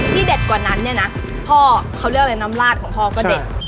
เด็ดกว่านั้นเนี่ยนะพ่อเขาเรียกอะไรน้ำลาดของพ่อก็เด็ด